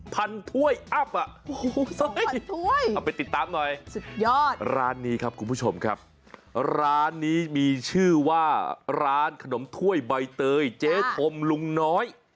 พันถ้วยอับอะเอาไปติดตามหน่อยร้านนี้ครับคุณผู้ชมครับร้านนี้มีชื่อว่าร้านขนมถ้วยใบเตยเจธมลุงน้อย